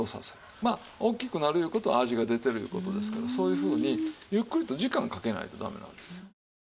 まあ大きくなるいう事は味が出てるいう事ですからそういうふうにゆっくりと時間かけないとダメなんですよ。